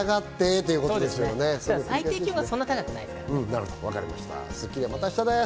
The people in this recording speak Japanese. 最低気温がそんなに高くないです。